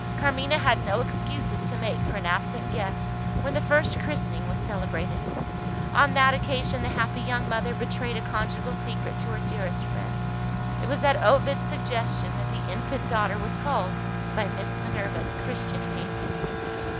Carmina had no excuses to make for an absent guest, when the first christening was celebrated. On that occasion the happy young mother betrayed a conjugal secret to her dearest friend. It was at Ovid's suggestion that the infant daughter was called by Miss Minerva's christian name.